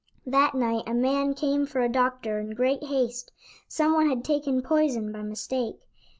That night a man came for a doctor in great haste; some one had taken poison by mistake.